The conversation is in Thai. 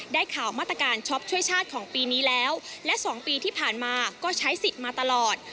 ได้ข่าวมาตรการช็อปช่วยชาติของปีนี้แล้วและ๒ปีที่ผ่านมาก็ใช้สิทธิ์มาตลอด